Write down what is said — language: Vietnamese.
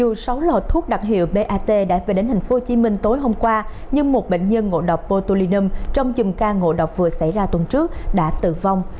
dù sáu lò thuốc đặc hiệu bat đã về đến tp hcm tối hôm qua nhưng một bệnh nhân ngộ độc botulinum trong chùm ca ngộ độc vừa xảy ra tuần trước đã tử vong